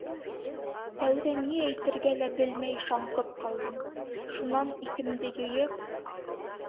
Тәүҙә ни әйтергә лә белмәй шаңҡып ҡалдым, шунан иҫемде йыйып: